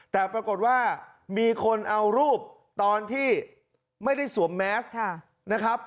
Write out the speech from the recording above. แต่ปรากฏว่ามีคนเอารูปตอนที่ไม่ได้สวมแมสนะครับ